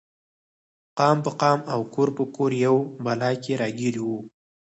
قام په قام او کور په کور یوې بلا کې راګیر و.